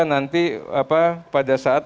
nanti pada saat